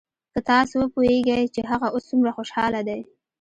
که تاسو وپويېګئ چې هغه اوس سومره خوشاله دى.